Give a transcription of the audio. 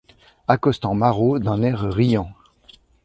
Accostant Marot d’un air riant.